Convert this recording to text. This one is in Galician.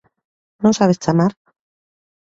Non sabes chamar?